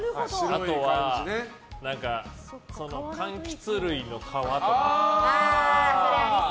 あとは、かんきつ類の皮とか。